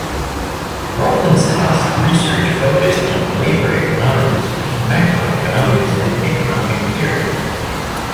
Mortensen's research focused on labor economics, macroeconomics and economic theory.